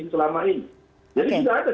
selama ini jadi tidak ada